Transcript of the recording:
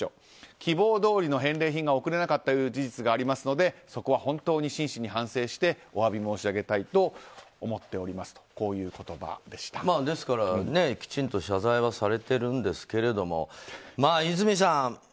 希望どおりの返礼品が送れなかったという事実がありますのでそこは真摯に反省してお詫び申し上げたいと思っておりますときちんと謝罪はされてるんですけれども和泉さん